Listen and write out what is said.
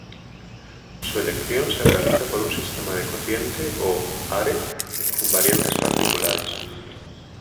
Su elección se realiza por un sistema de cociente o "Hare" con variantes particulares.